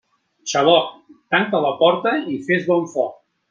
Xaloc, tanca la porta i fes bon foc.